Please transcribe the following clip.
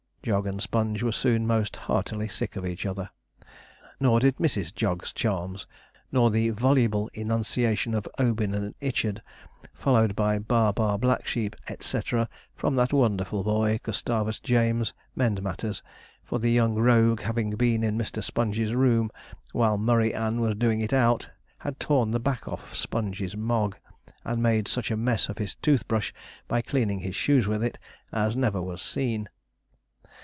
Jog and Sponge were soon most heartily sick of each other. Nor did Mrs. Jog's charms, nor the voluble enunciation of 'Obin and Ichard,' followed by 'Bah, bah, black sheep,' &c, from that wonderful boy, Gustavus James, mend matters; for the young rogue having been in Mr. Sponge's room while Murry Ann was doing it out, had torn the back off Sponge's Mogg, and made such a mess of his tooth brush, by cleaning his shoes with it, as never was seen.